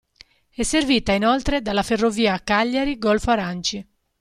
È servita inoltre dalla ferrovia Cagliari-Golfo Aranci.